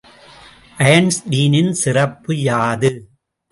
ஐன்ஸ்டீனின் சிறப்பு யாது?